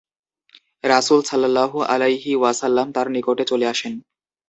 রাসূল সাল্লাল্লাহু আলাইহি ওয়াসাল্লাম তার নিকটে চলে আসেন।